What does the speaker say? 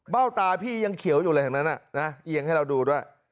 เบ้าตาพี่ยังเขียวอยู่แหล่งนั้นนะเอียงให้เราดูด้วย